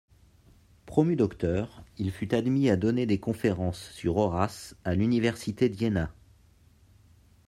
Promu docteur, il fut admis à donner des conférences sur Horace à l'université d'Iéna.